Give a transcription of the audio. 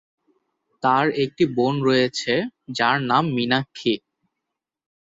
তার একটি বোন রয়েছে, যার নাম মীনাক্ষী।